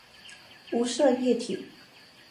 无色液体。